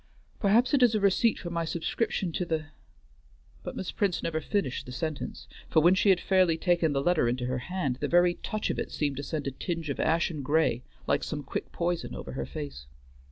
"Perhaps it is a receipt for my subscription to the" But Miss Prince never finished the sentence, for when she had fairly taken the letter into her hand, the very touch of it seemed to send a tinge of ashen gray like some quick poison over her face.